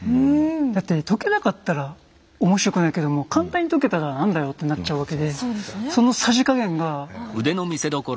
だって解けなかったら面白くないけども簡単に解けたら「何だよ」ってなっちゃうわけでそのさじ加減がここ。